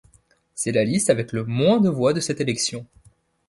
C'est la liste avec le moins de voix de cette élection.